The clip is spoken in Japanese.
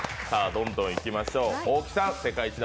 どんどんいきましょう。